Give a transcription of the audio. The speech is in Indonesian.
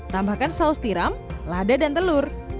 tambahkan saus tiram lada dan telur